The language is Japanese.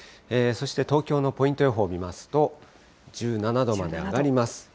そして東京のポイント予報見ますと、１７度まで上がります。